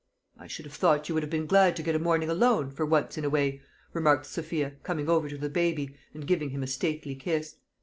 "I should have thought you would have been glad to get a morning alone, for once in a way," remarked Sophia, coming over to the baby, and giving him a stately kiss.